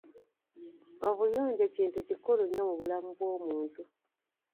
Obuyonjo kintu kikulu nnyo mu bulamu bw'omuntu.